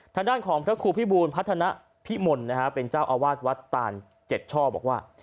ทางด้านของพระครูพิบูลพัฒนาพิมลนะฮะเป็นเจ้าอาวาสวัดตาน๗ช่อบอกว่า